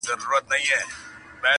چي په سختو بدو ورځو د بلا مخ ته دریږي،